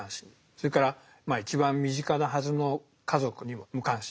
それから一番身近なはずの家族にも無関心なんですね。